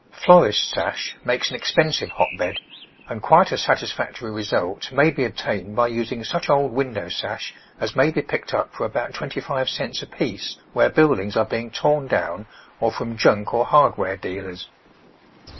Florists 9 sash makes an expensive hotbed, and quite as satisfactory results may be obtained by using such old window sash as may be picked up for about twenty five cents apiece where buildings are being torn down or from junk or hardware dealers.